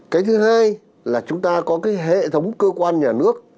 cái thứ hai là chúng ta có cái hệ thống cơ quan nhà nước